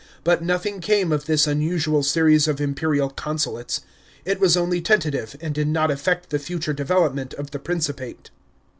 But nothing came of this unusual series of imperial consulates. It was only tentative, and did not affect the future development of the Principate.